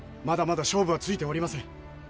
まだまだ勝負はついておりません。